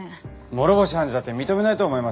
諸星判事だって認めないと思いますよ